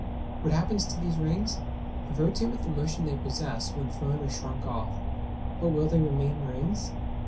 What happens to these rings? They rotate with the motion they possess when thrown or shrunk off; but will they remain rings?